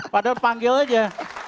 padahal panggil aja